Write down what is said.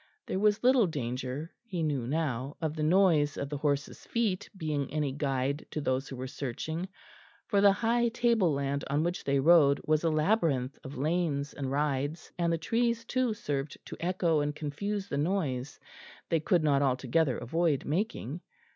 There was little danger, he knew now, of the noise of the horses' feet being any guide to those who were searching, for the high table land on which they rode was a labyrinth of lanes and rides, and the trees too served to echo and confuse the noise they could not altogether avoid making.